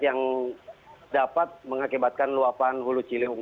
yang dapat mengakibatkan luapan hulu ciliwung